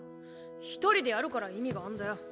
一人でやるから意味があんだよ。